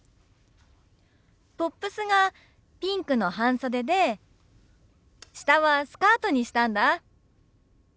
トップスがピンクの半袖で下はスカートにしたんだ。